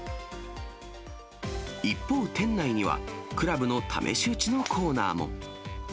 一方、店内には、クラブの試し打ちのコーナーも。